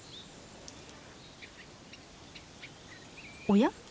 おや？